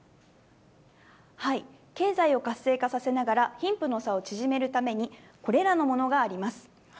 経済を活性化させながら、貧富の差を縮めるために、これらのものがあります。